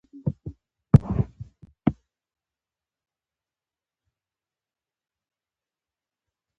په اخره کې دی هم قانع او پوه شو.